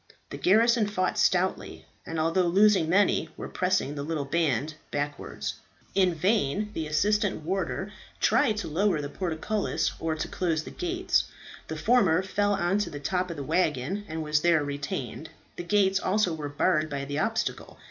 The garrison fought stoutly, and although losing many, were pressing the little band backwards. In vain the assistant warder tried to lower the portcullis, or to close the gates. The former fell on to the top of the waggon, and was there retained. The gates also were barred by the obstacle.